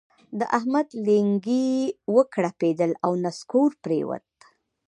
د احمد لېنګي وګړبېدل او نسکور پرېوت.